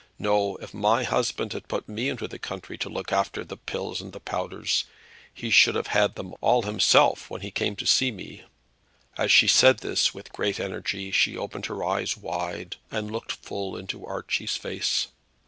No; if my husband had put me into the country to look after de pills and de powders, he should have had them all, all himself, when he came to see me." As she said this with great energy, she opened her eyes wide, and looked full into Archie's face.